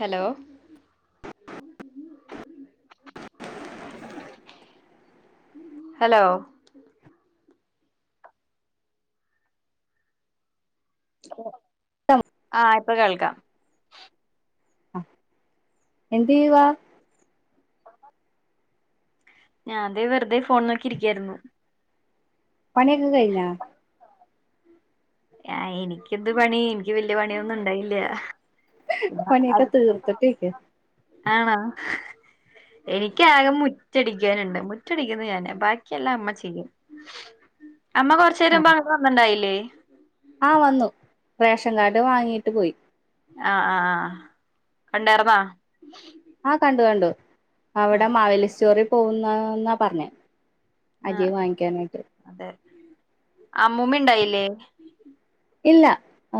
Hello hello ഓ ആ [inaudible] ഇപ്പോൾ കേൾക്കാം ആ എന്ത് ചെയ്യുവാ ഞാൻ ദെ വെറുതെ ഫോൺ നോക്കി ഇരിക്കായിരുന്നു പണിയൊക്കെ കഴിഞ്ഞോ എനിക്ക് എന്ത് പണി എനിക്ക് വല്യ പണിയൊന്നും ഒണ്ടായില്ല പണിയൊക്കെ തീർത്തിട്ടിരിക്ക ആണോ എനിക്ക് ആകെ മുറ്റടിക്കാനുണ്ട് മുറ്റടിക്കുന്നത് ഞാനാ ബാക്കിയെല്ലാം അമ്മ ചെയ്യും അമ്മ കൊറച്ച് ആ നേരം വഴക്ക് പറഞ്ഞോണ്ടായില്ലേ ആ വന്നു റേഷൻ കാർഡ് വാങ്ങിയിട്ട് പോയി ആ ആഹ് ആ കണ്ടായിർന്നോ ആ കണ്ടു കണ്ടു അവിടെ മാവലി സ്റ്റോറി പോന്നന്നാ പറഞ്ഞേ അരി ആഹ് വാങ്ങിക്കാനായിട്ട് അതെ അമ്മൂമ്മ ഇണ്ടായില്ലേ ഇല്ല ആ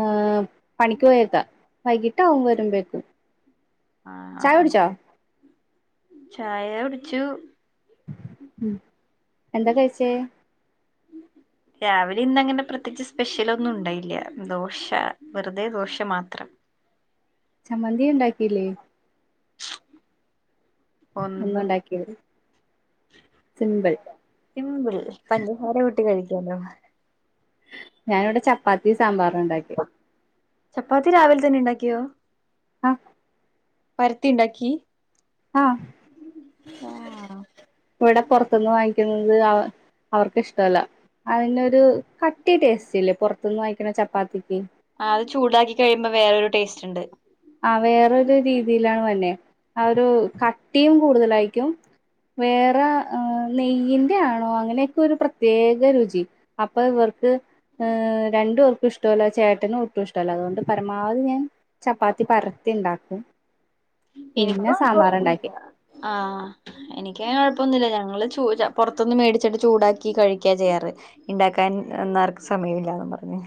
പണിക്ക് പോയേക്കുവാ വൈകിട്ട് അവൻ വരുമ്പക്കും ആഹ് ആ ചായ കുടിച്ചു ഉം എന്താ കഴിച്ചേ രാവിലെ ഇന്നങ്ങനെ പ്രത്യേകിച്ച് സ്പെഷ്യല് ഒന്നും ഒണ്ടായില്ല ദോശ വെറുതെ ദോശ മാത്രം ചമ്മന്തി ഉണ്ടാക്കിയില്ലേ ഒന്നും സിമ്പിൾ സിമ്പിൾ പഞ്ചസാര വി ട്ടി കഴിക്കാനോ ഞാന് ഇവിടെ ചപ്പാത്തിയും സാമ്പാറും ഒണ്ടാക്കി ചപ്പാത്തി രാവിലെ തന്നെ ഉണ്ടാക്കിയോ ആ പരത്തി ഉണ്ടാക്കി ആഹ് ആഹ് ഇവിടെ പുറത്ത്ന്ന് വാങ്ങിക്കുന്നത് അ അവർക്ക് ഇഷ്ടല്ല അതിനൊരു കട്ടി ടേസ്റ്റ് ഇല്ലേ പുറത്ത്ന്ന് വാങ്ങിക്കണ ചപ്പാത്തിക്ക് ആ അത് ചൂടാക്കി കഴിയുമ്പോ വേറൊരു ടേസ്റ്റ് ഇണ്ട്. ആ വേറൊരു രീതിയിലാണ് വര്ന്നെ ആ ഒരു കട്ടിയും കൂടുതലായിക്കും വേറെ ഏ നെയ്യ്ൻ്റെ ആണോ അങ്ങനെയൊക്കെ ഒരു പ്രത്യേക രുചി അപ്പൊ ഇവർക്ക് ഏ രണ്ടു പേർക്കും ഇഷ്ടവല്ല ചേട്ടനും ഒട്ടും ഇഷ്ടല്ല അതുകൊണ്ട് പരമാവധി ഞാൻ ചപ്പാ ത്തി പരത്തി ഇണ്ടാക്കും. ആ എനിക്കങ്ങനെ കൊഴ പ്പൊന്നുല്ല ഞങ്ങള് ചു ച പുറത്ത്ന്ന് മേടിച്ചിട്ട് ചൂടാക്കി കഴിക്ക ചെയ്യാറ് ഇണ്ടാക്കാൻ ഒന്നും ആർക്കും സമയം ഇല്ലാന്നും പറഞ്ഞ്.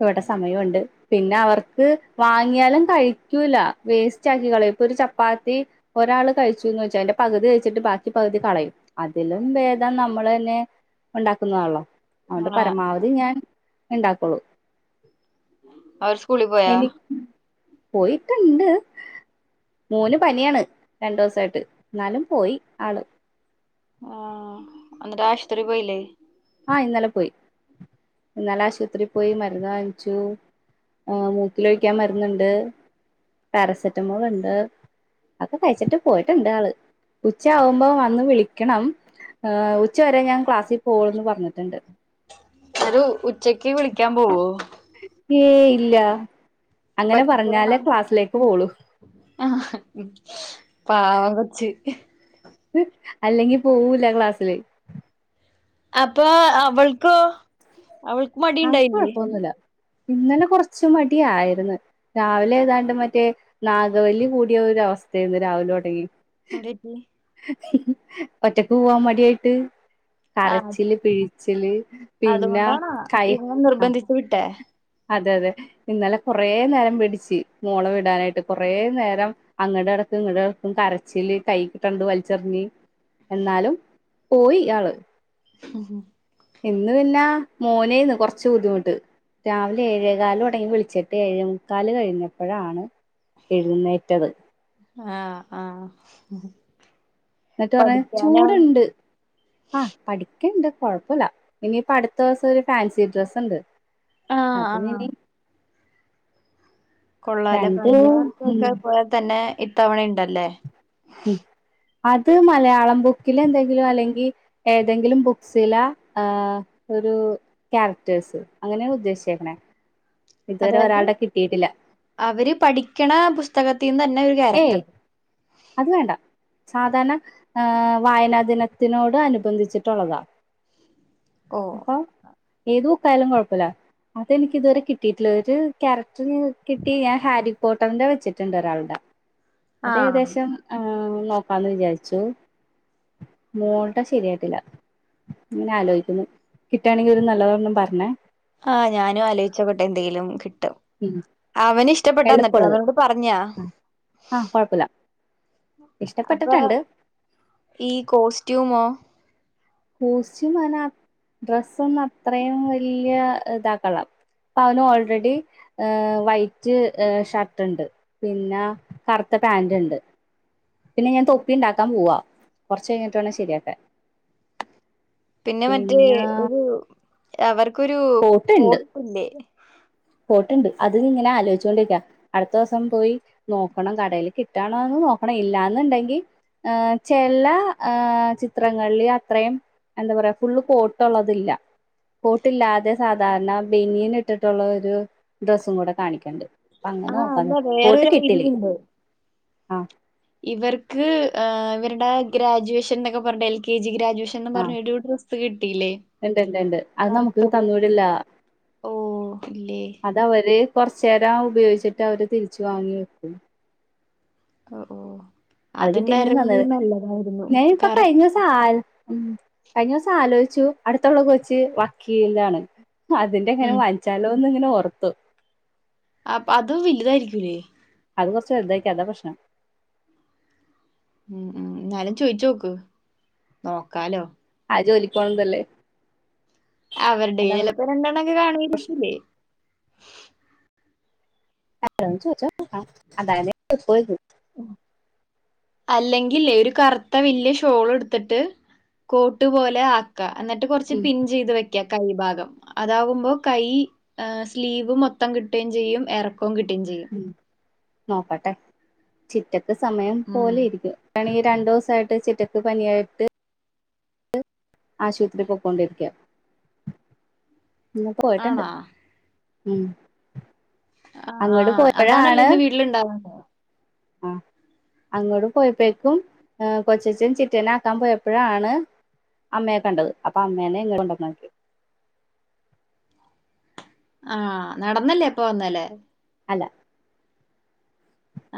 ഇവിടെ സമയം ഉണ്ട്. പിന്നെ അവർക്ക് വാങ്ങിയാലും കഴിക്കൂല്ല വേസ്റ്റ് ആക്കി കളയും ഇപ്പൊ ഒരു ചപ്പാത്തി ഒരാള് കഴിച്ചൂന്ന് വെച്ച അതിന്റെ പകുതി കഴിച്ചിട്ട് ബാക്കി പകുതി കളയും അതിലും ഭേദം നമ്മള് തന്നെ ഉണ്ടാക്കുന്നതാണല്ലോ. അതുകൊണ്ട് ആഹ് പരമാവധി ഞാൻ ഇണ്ടാക്കുള്ളൂ അവര് സ്കൂളിൽ പോയ പോയിട്ടുണ്ട് മോന് പനിയാണ് രണ്ടു ദിവസായിട്ട് എന്നാലും പോയി ആള് ആഹ് എന്നിട്ട് ആശുപത്രി പോയില്ലേ? ആ ഇന്നലെ പോയി ഇന്നലെ ആശുപത്രി പോയി മരുന്ന് വാങ്ങിച്ചു. ഏ മൂ ക്കിലൊഴിക്കാൻ മരുന്നുണ്ട്. പാരസെറ്റമോൾ ഉണ്ട് അതൊക്കെ കഴിച്ചിട്ട് പോയിട്ടുണ്ട് ആള്. ഉച്ച ആവുമ്പോ വന്ന് വിളിക്കണം ഏ ഉച്ച വരെ ഞാൻ ക്ലാസി പോവോളൂന്ന് പറ പറഞ്ഞിട്ടുണ്ട്. [unintelligible] ഉച്ചക്ക് വിളിക്കാൻ പോവോ? ഏയ് ഇല്ല അങ്ങനെ പറ്റിച്ചതാണ പറഞ്ഞാലേ ക്ലാസ്സിലേക്ക് പോവുള്ളൂ ആ പാവം കൊച്ച്. അല്ലെങ്കി പോവൂല ക്ലാസില് അപ്പോ അവൾക്കോ അവൾക്ക് മടി അവക്ക് ഇണ്ടായില്ലേ? കൊഴപ്പൊന്നുല്ല ഇന്നലെ കൊറച്ച് മടിയായിരുന്ന് രാവിലെ ഏതാണ്ട് മറ്റേ നാഗവല്ലി കൂടിയ ഒരു അവസ്ഥയാരുന്നു രാവിലെ തുടങ്ങി എന്തുപറ്റി ഒറ്റക്ക് പോവാൻ മടി ആയിട്ട്. ആ കരച്ചില് പിഴി കരച്ചില് അതുകൊണ്ടാണോ? ഇവളെ നിർബന്ധിച്ച് വിട്ട ആ അതെ അതെ ഇന്നലെ കൊറെ നേരം പിടിച്ച് മോളെ വിടാനായിട്ട് കൊറെ നേരം അങ്ങടെ നടക്കും ഇങ്ങടെ നടക്കും കരച്ചില് കൈ കിട്ടണത് വലിച്ചെറിഞ്ഞ് എന്നാലും പോയി ആള് [inaudible] ഇന്ന് പിന്നാ മോനേന്ന് കുറച്ച ബുദ്ധിമുട്ട് രാവിലെ ഏഴേകാല തുടങ്ങി വിളിച്ചിട്ട് ഏഴേ മുക്കാല് കഴിഞ്ഞപ്പോഴാണ് എഴുന്നേറ്റത് ആഹ ആഹ എന്നിട്ട് പറഞ്ഞ ചൂടുണ്ട് ആഹ പഠ ക്ക ഇണ്ട് കൊഴപ്പില്ല ഇനിയിപ്പ അടുത്ത ദിവസം ഒരു ഫാൻസി ഡ്രസ് ഉണ്ട് ആഹ് അതിനനി കൊള്ളല്ലേ രണ്ട് കഴിഞ്ഞ ഉം വർഷൊക്കെ പോയാ തന്നെ തവണ ഉണ്ടല്ലേ ഉം അത് മലയാളം ബുക്കില് എന്തെങ്കിലും അല്ലെങ്കിൽ ഏതെങ്കിലും ബുക്സില ഒരു ക്യാരക്ടേഴ്സ് അങ്ങനെയാണ് ഉദ്ദേശിച്ചേക്കണേ ഇതുവരെ അതായത് ഒരാളുടെ കിട്ടിയിട്ടില്ല അവര് പഠിക്കണ പുസ്തകത്തെ ന്ന് ന്നെ ഒരു ഏയ് ക്യാരക്ടർ അത് വേണ്ട സാധാരണ വായനാ ദിനത്തിനോട് അനുബന്ധിച്ചിട്ടുള്ളതാണ് ഓ ഏത് ഉക്കായാലും കുഴപ്പമില്ല അതെനിക്ക് ഇതുവരെ കിട്ടിയിട്ടുള്ള ഒരു കക്ാരക് കിട്ടി ഞാൻ ഹാരി പോട്ടന്റെ വെച്ചിട്ടുണ്ട് ഒരാളുടൊ ആഹ് അതേകദേശം ആ ആ നോക്കാന്ന് വിചാരിച്ചു മോളട്ട ശരിയായിട്ടില്ല ഇങ്ങനെ ആലോചിക്കുന്നു കിട്ടുകയാണെങ്കിൽ ഒരു നല്ലതോണ്ണം പറഞ്ഞ ആഹ് ഞാനും ആലോചിച്ചക്കോട്ടെ എന്തെങ്കിലും ഉം അവന് ഇഷ്ടപ്പെട്ടാന്നട്ട് എളുപ്പമുള്ളത് അവനോട് പറഞ്ഞാ ആ കുഴപ്പമില്ല അപ്പൊ ഇഷ്ടപ്പെട്ടിട്ടുണ്ട് ഈ കോസ്റ്റ്യൂമോ കോസ്റ്റ്യം അവന് ഡ്രെസ്സ ഒന്ന അത്രയും വല്ിയ ഇതാക്കളാം അപ്പ അവന് ഓൾറെഡി ർ വൈറ്റ് ഷർട്ട് ഉണ്ട് പിന്നെ കറുത്ത പാാന്റ് ഉണ്ട് പിന്നെ ഞാൻ തൊപ്പി ഉണ്ടാക്കാൻ പോവാ കൊറച്ച കഴിഞ്ഞിട്ടോണ ശരിയാക്കാ പിന്നെ മറ്റേ ഒരു അവർക്കരു ഒരു കോട്ടുണ്ട് പോട്ടല്ലേ പോട്ടുണ്ട് അത് ഇങ്ങനെ ആലോചിച്ചുൊണ്ടിരിക്കാ അടുത്ത ദിവസം പോയി നോക്കണം കടൽ കിട്ടണന്ന് നോക്കണം ഇല്ലന്നുണ്ടെങ്കിൽ ചില ചിത്രങ്ങളില് അത്രയും എന്താ പറയാ ഫുള്ള് പോട്ട്ുള്ളതല്ല പോട്ടില്ലാതെ സാധാരണ ബനീൻ ഇട്ടിട്ടുള്ള അ ഡ്രെസ്സും കൂടെ കാണിക്കണ്ട് അ അങ്ങനെ ആഹ് നോക്കാ അല്ല കോ ട്ട് വേറൊരു കെട്ടില്ല ഐഡിയുണ്ട് ആഹ ഇവർക്ക് ഇവരുടെ ഗ്രാജുവേഷൻ എന്നൊക്കെ പറഞ്ഞ എൽ കെ ജി ഗ്രാജ അജുഷും ആ പറഞ്ഞ ഡ്രസ്സ് കിട്ടില്ലേ ഉണ്ട് ഉണ്ട് ഉണ്ട് അത് ക നമുക്ക് റുത്തത് തന്നൂടില്ല ഓ ഇല്ലേ കൊറച്ച നേരം ഉപയോഗിച്ചിട്ട് അവര് തിരിച്ചു വാങ്ങി വെക്കും ആ ഓ അത് കിട്ടിയ നന്നത് അതുണ്ടായിരുന്നെങ്കി നല്ലതായിരുന്നു ഞാൻ ഇപ്പാ കറക് കഴിഞ്ഞുസാം ആ ഉം കഴിഞ്ഞുസം ആലോചിച്ചു അടുത്തുള്ള കൊച്ച് വക്കീലാണ് അതിന്റെ എങ്ങനെ ഉം വാങ്ങിച്ചാലോ ന്ന്ങ്ങനെ ഓർത്തു അപ്പ് അത് വലുതായിരിക്കൂല്ലേ അത് കൊറച്ച് വലുതായിരിക്കും അതാ പ്രശ്നം ഉം ഉം എന്നാലും ചോയിച്ച് നോക്ക് നോക്കാലോ അത് ജോലിക്ക് പോണതല്ലേ അവരുടെല് അതാണ് [unintelligible] രണ്ടെണ്ണം ഒക്കെ കാണുഓരിക്കില്ലേ എപ്പോഴേലും ചോയിച്ചു നോക്ക്ട്ട [unintelligible] അല്ലെങ്കിൽ ഒരു കറുത്ത വല്ല്യ ഷോൾ എടുത്തിട്ട് കോട്ട് പോലെ ആക്കാ എന്നിട്ട് കുറച്ച് ഉം പിൻ ചെയ്ത് വയ്ക്കാ കൈ ഭാഗം അതാകുമ്പോ കൈ സ്ലീവ് മൊത്തം കിട്ടേം ചെയ്യും എറ കോം കിട്ടേംചെയ്യും ഉം നോക്കട്ടെ ചിറ്റ സമയം ഉം. പോലെ ഇരിക്കും ക്കണേ രണ്ടു ദിവസമായിട്ട് ചിറ്റക്ക് പനിയായിട്ട് ആശുപത്രി പോക്കൊണ്ടിരിക്കാ ഇന്ന് പോയിട്ടുണ്ട് ആണോ? ഉം ആ ആ അങ്ങോട്ട് അതാണല്ലേ പോയപ്പോഴാണ് ഇന്ന് വീട്ടില ഇണ്ടാവാതെ ആ അങ്ങ്ട് പോയപ്പോഴ്ക്കും എ കൊച്ചച്ചും ചിറ്റേനെ ആക്കാൻ പോയപ്പോഴാണ് അമ്മയെ കണ്ടത് അപ്പാ അമ്മേനെ ഇങ്ങ് കൊണ്ടോന്നാക്കി ആ നടന്നല്ലേ അപ്പ വന്നേല്ലേ അല്ല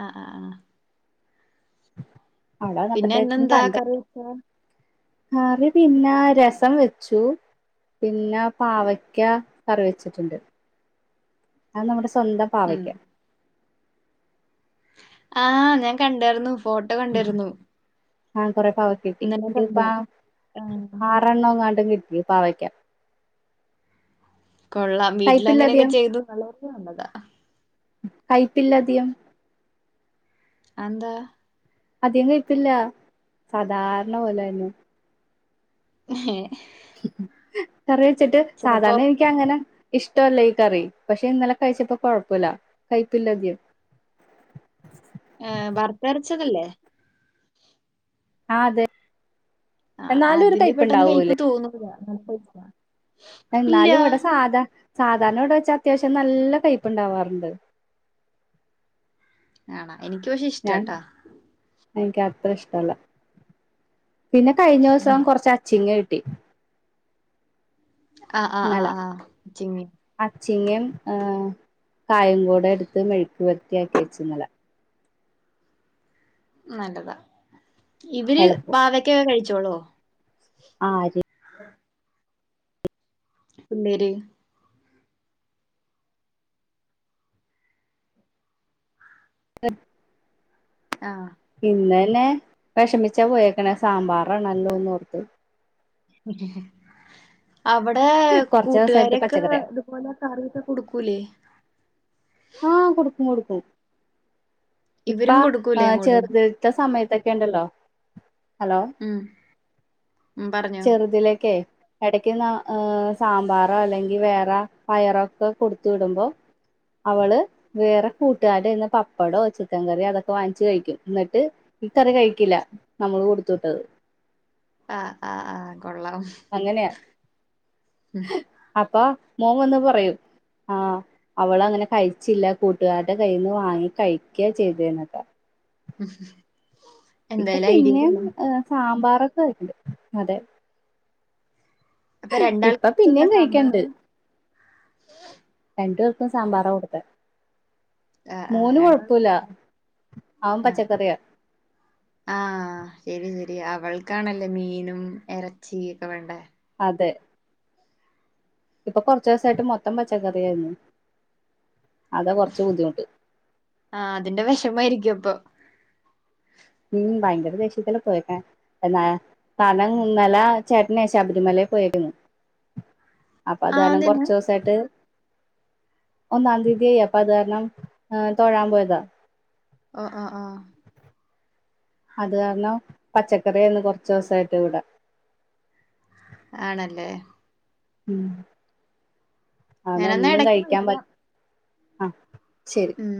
ആ ആ ആ അവിടെ പിന്നെ വന്നപ്പത്തേക്കും ഇന്നെന്താ കണ്ടു കറിവെച്ച കറി പിന്നെ രസം വെച്ചു പിന്നെ പാവക്ക കറി വെച്ചിട്ടുണ്ട് അത് നമ്മുടെ സ്വന്തം പാവയ്ക്ക് ആ ഞാൻ കണ്ടായിരുന്നു ഫോട്ടോ കണ്ടിരുന്നു ആ കൊറെ പാവക്ക കിട്ടി ഇന്നലെ ഇതിപ്പ കണ്ടു. ആഹ്. ആറെണ്ണങ്ങാണ്ട് കി [unintelligible] പാവയ്ക്ക കൊള്ളാം വീട്ടില കയ്പില്ല അങ്ങനെയൊക്കെ അധികം ചെയ്തു [unintelligible] കൈപ്പില്ലാധികം അതെന്താ അധികം കൈപ്പില്ല സാധാരണ പോലൊന്നേ ഹ കറി വെച്ചിട്ട് ചിലപ്പോ സാധാരണ എനിക്ക് അങ്ങനെ ഇഷ്ടമല്ല ഈ കറി പക്ഷെ ഇന്നലെ കഴിച്ചപ്പോ കൊഴപ്പില്ല കയിപ്പില്ലതികം ആ വർത്തരച്ചതല്ലേ ആ അതെ ആ എന്നാലും ഒരു അതില് പെട്ടെന്ന് കയിപ്പ് കയ്പുണ്ടാവൂലേ തോന്നൂല്ലാ ആ പോസ എന്നാലും ഇവിടെ സാധാ സാധാരണയോവിടെ വെച്ചാ അത്യാവശ്യം നല്ല കയപ്പ്ണ്ടാവാറുണ്ട് ആണ എനിക്ക് പക്ഷെ ഇഷ്ടാട്ടാ എനിക്ക് അത്ര ഇഷ്ടല്ല പിന്നെ കഴിഞ്ഞ ദിവസം കുറച്ച് അച്ചിങ്ങ ഇട്ടു ആ ആ ആ നല്ല ആ ചിങ്ങി അച്ചിങ്ങം ആ കായംകോടെ എടുത്ത് മെഴുക്ക് പെരുട്ടിയാക്കിവെച്ചിന്നലെ നല്ലതാ ഇവര് പാവയ്ക്കൊക്കെ കഴിച്ച ിച്ചോളോ ആ ആഹ പിന്നേര് എ ആ പിന്നെ പിന്നെ വിഷമിച്ചാ പോയക്കണെ സാമ്പാറാണല്ലോന്ന് ഓർത്ത് ഉ അവിടെ കുറച്ച് ദിവസമായിട്ട് കൂട്ടുകാരൊക്കെ പച്ചക്കറിയാ ഇതുപോലെ കറിഒക്കെ കൊടുക്കൂലേ ആഹ കൊടുക്കും കൊടുക്കും ഇപ്പ ഇവരും ആ കൊടുക്കൂലേ അങ്ങോട്ട് ചെറുതട്ട സമയത്തൊക്കെ ക്കേണ്ടല്ലോ ഹലോ ഉം ഉം പറഞ്ഞോ ചെറുതിലേക്കേ ഇടക്ക്ന് സാമ്പാറോ അല്ലെങ്കിൽ വേറെ പയറൊക്കെ കൊടുത്ത് വിടുമ്പോ അവള് വേറെ കൂട്ടുകാരയ്യിന്ന് പപ്പടമോ വെച്ചി ചക്കൻ കറി അതൊക്കെ വാങ്ങിച്ച്ച് കഴിക്കും എന്നിട്ട് കഴിക്കില്ല നമ്മള് കൊടു ട്ടത് ആഹ ആഹ് ആ് കൊള്ളാം അങ്ങനെയാ ഉ അപ്പാ മോൻ വന്ന് പറയും ആഹ് അവള് അങ്ങനെ കഴിച്ചില്ല കൂട്ടുകാരുടെ കയ്യിന്ന് വാങ്ങി കഴിക്കുക ചെയ്തേന്നെക്കെ ഉ [inaudible] ഇപ്പൊ പിന്നെയും സാമ്പാർ കഴിക്കും അതെ അപ്പൊ രണ്ടാൾക്കും ഇപ്പം ഇഷ്ടല്ല പിന്നേം സാമ്പാറ് കഴിക്കണ്ട് രണ്ടു പേർക്കും സാമ്പാറാ കൊടുത്തെ മോന് കൊഴപ്പുല്ല ആഹ് ആഹ് ശരി ശ രി അവൾക്കാണല്ലേ മീനും ഇറച്ചി ഒക്കെ വേണ്ടേ അതെ ഇപ്പൊ കൊറച്ച് ദിവസായിട്ട് മൊത്തം പച്ചക്കറി ആയിരുന്നു ആഹ് അതിന്റെ വിഷമ ആയിരിക്കും അപ്പൊ ഉം ഭയങ്കര ദേഷ്യത്തിലാ പോയേക്കുന്നെ എന്ന കാരണം ഇന്നലെ ചേട്ടനേ ശബരിമലേൽ പോയിരുന്നു അപ്പൊ അത് ആഹ് കാരണം അതന്നെ കൊറച്ച് ദൂസായിട്ട് ഒന്നാം തീയതിയായി അപ്പം അത് കാരണം തൊഴാൻ പോയതാ ആഹ് ആഹ് ആഹ് അത് കാരണം പച്ചക്കറിയാരുന്ന് കൊറച്ച് ദിവസായിട്ട് ഇവടെ ആണല്ലേ ഉം ആണ് ഞാനെന്നാ ഒന്നും ഇടക്ക് കഴിക്കാൻ പ വിളിക്കാം ആഹ് ശരി ഉം